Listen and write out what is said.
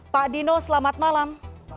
pak dino selamat malam